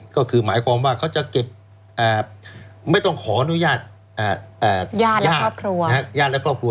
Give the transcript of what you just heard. ก็คือหมายความว่าเขาจะเก็บไม่ต้องขอนุญาตญาติและครอบครัว